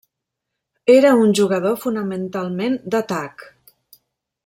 Era un jugador fonamentalment d'atac.